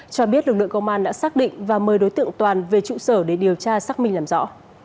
cho biết lực lượng công an đã xác định và mời đối tượng toàn về trụ sở để điều tra xác minh làm rõ